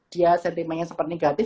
dia sentimennya super negatif